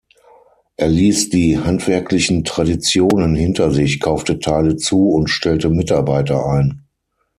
Er ließ die handwerklichen Traditionen hinter sich, kaufte Teile zu und stellte Mitarbeiter ein.